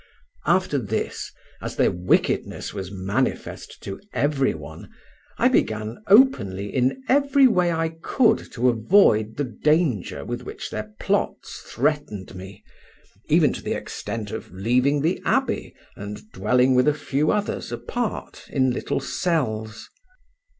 After this, as their wickedness was manifest to every one, I began openly in every way I could to avoid the danger with which their plots threatened me, even to the extent of leaving the abbey and dwelling with a few others apart in little cells.